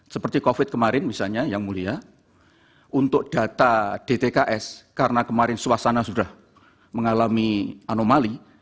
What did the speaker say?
seperti covid kemarin misalnya yang mulia untuk data dtks karena kemarin suasana sudah mengalami anomali